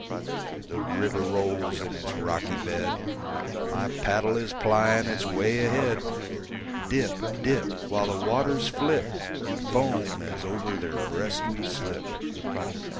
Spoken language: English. The river rolls in its rocky bed; My paddle is plying its way ahead; Dip, dip, While the waters flip In foam as over their breast we slip.